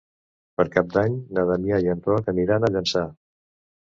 Per Cap d'Any na Damià i en Roc aniran a Llançà.